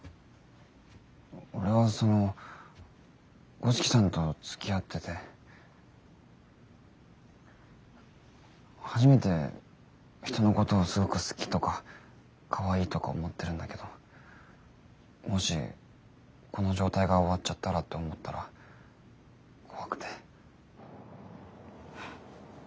俺はその五色さんとつきあってて初めて人のことをすごく好きとかかわいいとか思ってるんだけどもしこの状態が終わっちゃったらって思ったら怖くて。